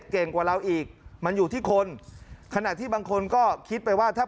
เก่งกว่าเราอีกมันอยู่ที่คนขณะที่บางคนก็คิดไปว่าถ้า